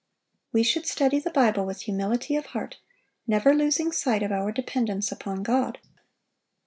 We should study the Bible with humility of heart, never losing sight of our dependence upon God.